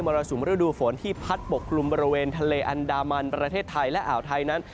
รสุมฤดูฝนที่พัดปกกลุ่มบริเวณทะเลอันดามันประเทศไทยและอ่าวไทยนั้น